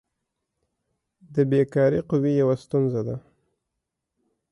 د بیکاري قوي یوه ستونزه ده.